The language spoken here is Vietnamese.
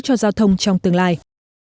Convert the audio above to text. cho giao thông trong tương lai